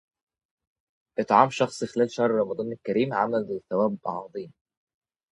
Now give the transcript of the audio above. إطعام شخص خلال شهر رمضان الكريم عمل ذو ثواب عظيم.